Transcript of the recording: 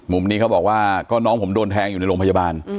นี้เขาบอกว่าก็น้องผมโดนแทงอยู่ในโรงพยาบาล